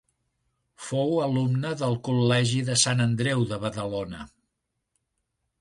Fou alumna del Col·legi de Sant Andreu de Badalona.